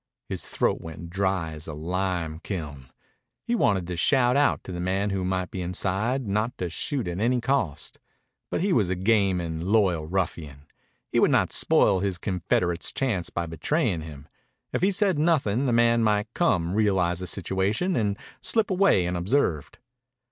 His throat went dry as a lime kiln. He wanted to shout out to the man who might be inside not to shoot at any cost. But he was a game and loyal ruffian. He would not spoil his confederate's chance by betraying him. If he said nothing, the man might come, realize the situation, and slip away unobserved.